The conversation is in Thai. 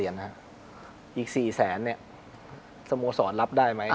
อีก๔๐๐๐๐๐บาทสมมุติสอนรับได้ไหม